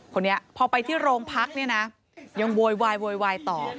คนนี้พอไปที่โรงพักเนี่ยนะยังโวยวายโวยวายต่อ